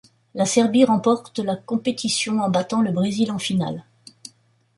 La Serbie remporte la compétition en battant le Brésil en finale.